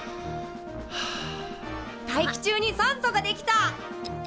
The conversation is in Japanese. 大気中に酸素が出来た！